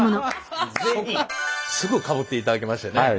すぐかぶっていただきましてね。